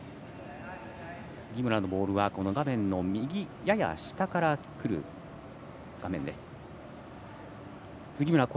杉村のボールは画面の右やや下からきます。